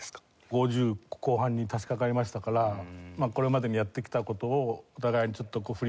５０後半にさしかかりましたからこれまでにやってきた事をお互いにちょっと振り返りつつ